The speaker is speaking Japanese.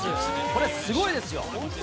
これすごいですよ。